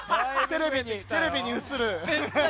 テレビに映る。